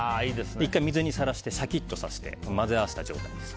１回水にさらしてシャキッとさせて混ぜ合わせた状態です。